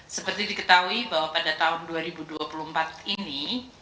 seperti diketahui bahwa pada tahun dua ribu dua puluh empat ini